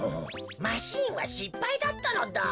マシーンはしっぱいだったのだ。